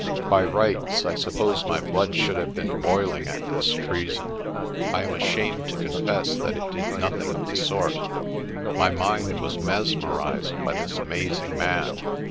By rights, I suppose, my blood should have been boiling at this treason. I am ashamed to confess that it did nothing of the sort. My mind was mesmerised by this amazing man.